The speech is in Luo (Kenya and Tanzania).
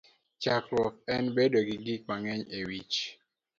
Chandruok en bedo gi gik mang'eny e wich.